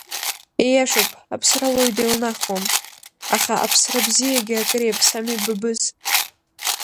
Ииашоуп, аԥсра уаҩ деилнахуам, аха аԥсра бзиагьы акыр иаԥсами, Бабыз!